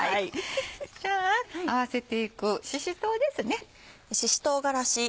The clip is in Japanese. じゃあ合わせていくしし唐です。